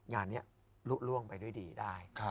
งานนี้ลุล่วงไปด้วยดีได้